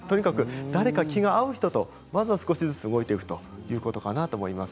気が合う人と少しずつ動いていくということがいいと思います。